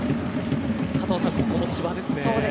加藤さん、ここも千葉ですね。